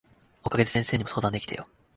お陰で先生にも相談できたよ。